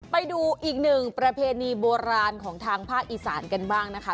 ไปดูอีกหนึ่งประเพณีโบราณของทางภาคอีสานกันบ้างนะคะ